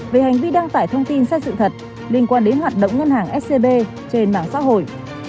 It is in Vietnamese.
về hành vi đăng tải thông tin sai sự thật liên quan đến hoạt động ngân hàng scb trên mạng xã hội